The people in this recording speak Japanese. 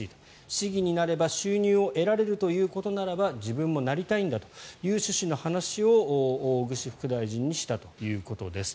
市議になれば収入を得られるということならば自分もなりたいんだという趣旨の話を大串副大臣にしたということです。